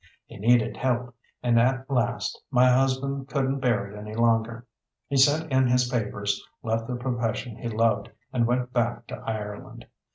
He needed help, and at last my husband couldn't bear it any longer. He sent in his papers, left the profession he loved, and went back to Ireland.